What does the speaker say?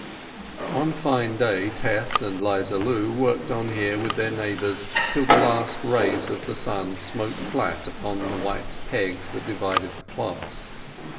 One fine day Tess and 'Liza Lu worked on here with their neighbours till the last rays of the sun smote flat upon the white pegs that divided the plots.